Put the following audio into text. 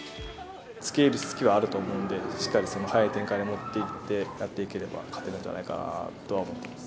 付け入る隙はあると思うので、しっかりその速い展開に持っていって、やっていければ勝てるんじゃないかなとは思っています。